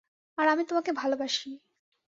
আর আমি তোমাকে ভালোবাসি।